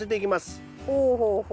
ほうほうほうほう。